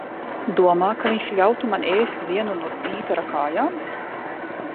Domā, ka viņš ļautu man ēst vienu no tītara kājām?